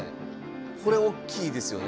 これ大きいですよね？